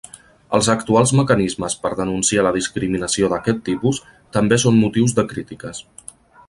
Els actuals mecanismes per denunciar la discriminació d’aquest tipus, també són motius de crítiques.